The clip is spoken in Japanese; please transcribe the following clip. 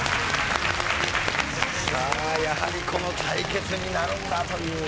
さあやはりこの対決になるんだという。